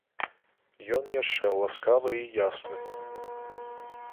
Ён яшчэ ласкавы і ясны.